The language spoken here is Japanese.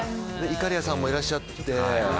いかりやさんもいらっしゃって。